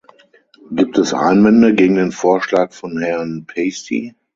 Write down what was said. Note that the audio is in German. Gibt es Einwände gegen den Vorschlag von Herrn Pasty?